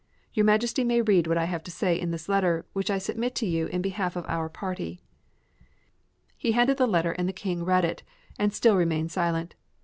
Your Majesty may read what I have to say in this letter, which I submit to you in behalf of our party." He handed the letter and the King read it and still remained silent.